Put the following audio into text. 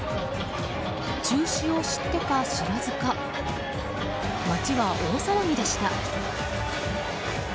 中止を知ってか、知らずか街は大騒ぎでした。